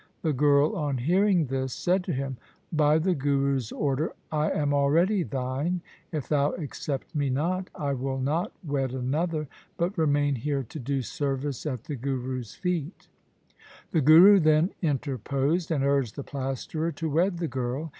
The girl on hearing this said to him, ' By the Guru's order I am already thine. If thou accept me not, I will not wed another, but remain here to do service at the Guru's feet.' The Guru then inter posed and urged the plasterer to wed the girl.